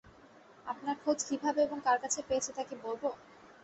আপনার খোঁজ কীভাবে এবং কার কাছে পেয়েছি তা কি বলব?